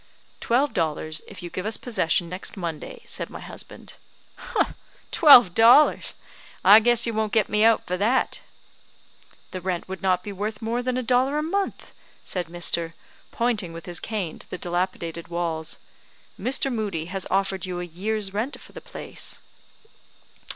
"Twelve dollars, if you give us possession next Monday," said my husband. "Twelve dollars! I guess you won't get me out for that." "The rent would not be worth more than a dollar a month," said Mr. , pointing with his cane to the dilapidated walls. "Mr. Moodie has offered you a year's rent for the place."